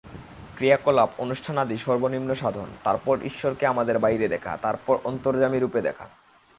ক্রিয়াকলাপ অনুষ্ঠানাদি সর্বনিম্ন সাধন, তারপর ঈশ্বরকে আমাদের বাইরে দেখা, তারপর অন্তর্যামিরূপে দেখা।